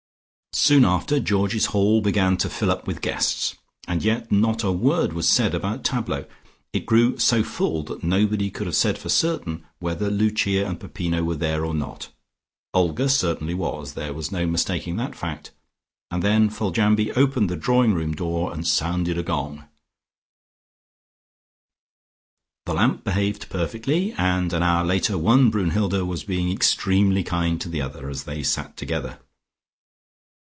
Soon after Georgie's hall began to fill up with guests, and yet not a word was said about tableaux. It grew so full that nobody could have said for certain whether Lucia and Peppino were there or not. Olga certainly was: there was no mistaking that fact. And then Foljambe opened the drawing room door and sounded a gong. The lamp behaved perfectly and an hour later one Brunnhilde was being extremely kind to the other, as they sat together.